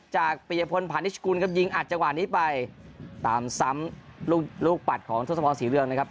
จากเปียพลผันิชกุลก็ยิงอัดจังหวะนี้ไปตามซ้ำลูกปัดของทศพรศรีเรื่องนะครับ